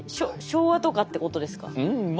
昭和とかってことですか？